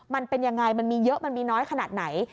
มันเป็นยังไงมันมีเยอะมันมีน้อยขนาดไหน